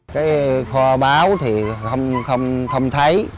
cái kho báu thì không thấy